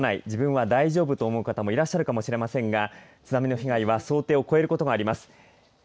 自分は大丈夫と思われる方もいるかもしれませんが津波の被害は想定を超えることがあります。